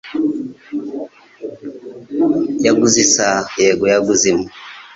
"Yaguze isaha?" "Yego, yaguze imwe."